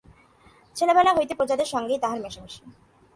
ছেলেবেলা হইতে প্রজাদের সঙ্গেই তাহার মেশামেশি।